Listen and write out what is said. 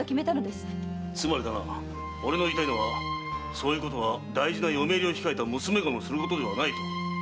つまり俺の言いたいのはそういうことは大事な嫁入りを控えた娘御のすることではないと。